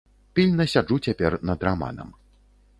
Пільна сяджу цяпер над раманам.